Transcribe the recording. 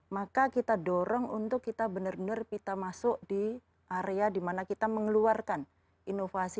maka kita dorong untuk kita benar benar kita masuk di area dimana kita mengeluarkan inovasi